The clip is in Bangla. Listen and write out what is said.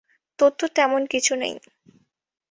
তথ্য তেমন কিছু নেই।